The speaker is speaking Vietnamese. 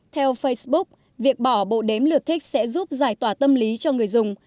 theo facebook việc bỏ bộ đếm lượt thích sẽ giúp giải tỏa tâm lý cho người dùng